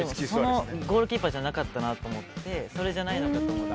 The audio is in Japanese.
ゴールキーパーじゃなかったなと思ってそれじゃないなと思って。